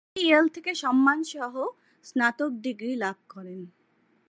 তিনি ইয়েল থেকে সম্মানসহ স্নাতক ডিগ্রি লাভ করেন।